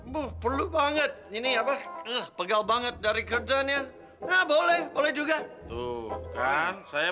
bu perlu banget ini apa pegal banget dari kerjanya nah boleh boleh juga tuh kan saya